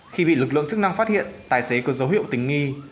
khi bị lực lượng chức năng phát hiện tài xế có dấu hiệu tình nghi